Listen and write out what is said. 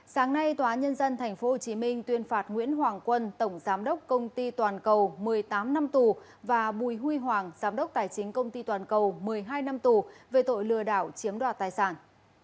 sáng nay tòa nhân dân tp hcm tuyên phạt nguyễn hoàng quân tổng giám đốc công ty toàn cầu một mươi tám năm tù và bùi huy hoàng giám đốc tài chính công ty toàn cầu một mươi hai năm tù về tội lừa đảo chiếm đoạt tài sản